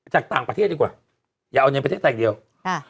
จากต่างประเทศดีกว่าอย่าเอาในประเทศต่างเดียวค่ะ